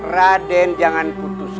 raden jangan putus